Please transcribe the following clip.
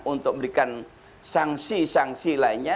untuk memberikan sanksi sanksi lainnya